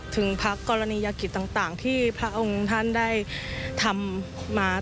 ถึงพระกรณียกิจต่างที่พระองค์ท่านได้ทำมา